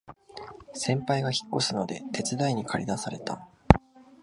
先輩が引っ越すので手伝いにかり出された